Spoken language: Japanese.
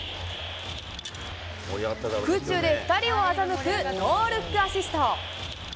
空中で２人を欺くノールックアシスト。